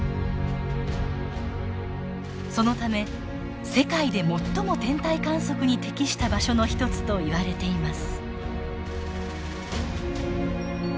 そのため世界で最も天体観測に適した場所の一つといわれています。